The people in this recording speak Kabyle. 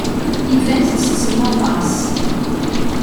Iban ttettem aṭas.